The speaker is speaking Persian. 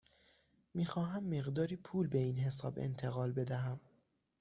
می خواهم مقداری پول به این حساب انتقال بدهم.